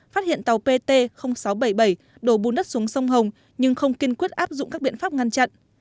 phát hiện tàu pt sáu trăm bảy mươi bảy đổ bùn đất xuống sông hồng nhưng không kiên quyết áp dụng các biện pháp ngăn chặn